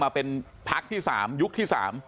มาเป็นพักที่สามยุคที่สาม